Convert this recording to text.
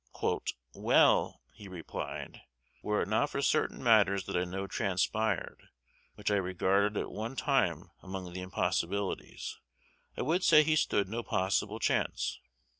"Well," he replied, "were it not for certain matters that I know transpired, which I regarded at one time among the impossibilities, I would say he stood no possible chance.